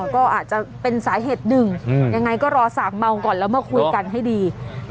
ก็อาจจะเป็นสาเหตุหนึ่งยังไงก็รอสากเมาก่อนแล้วมาคุยกันให้ดี